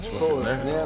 そうですね。